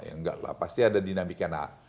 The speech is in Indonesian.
enggak lah pasti ada dinamikan